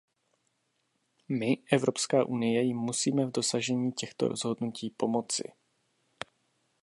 My, Evropská unie, jim musíme v dosažení těchto rozhodnutí pomoci.